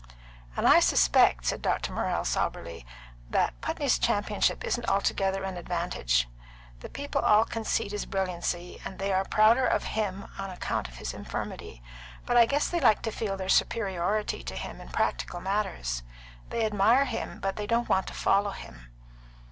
"And I suspect," said Dr. Morrell soberly, "that Putney's championship isn't altogether an advantage. The people all concede his brilliancy, and they are prouder of him on account of his infirmity; but I guess they like to feel their superiority to him in practical matters. They admire him, but they don't want to follow him."